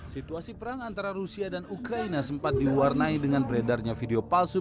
situasi perang antara rusia dan ukraina sempat diwarnai dengan beredarnya video palsu